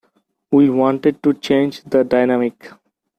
We wanted to change the dynamic.